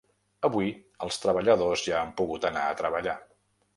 Avui, els treballadors ja han pogut anar a treballar.